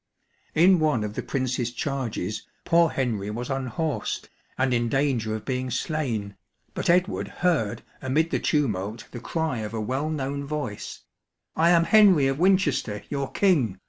In one of the Prince's charges poor Henry was unhorsed, and in danger of being slain, but Edward heard amid the tumult the cry of a well known voice, " I am Henry of Winchester, your king